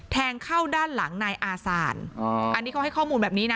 แทงเข้าด้านหลังนายอาสานอ๋ออันนี้เขาให้ข้อมูลแบบนี้นะ